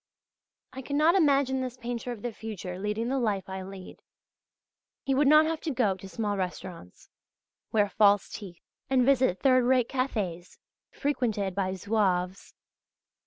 I cannot imagine this painter of the future leading the life I lead. He would not have to go to small restaurants, wear false teeth and visit third rate cafés frequented by Zouaves.